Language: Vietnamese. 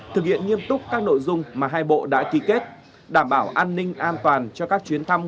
thực hiện nghiêm túc các nội dung mà hai bộ đã ký kết đảm bảo an ninh an toàn cho các chuyến thăm